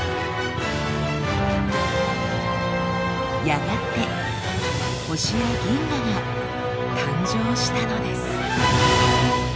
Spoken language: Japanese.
やがて星や銀河が誕生したのです。